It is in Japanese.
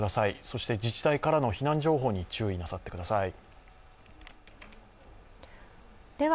そして自治体からの避難情報に注意なさってくださいる